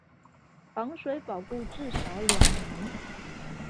防水保固至少兩年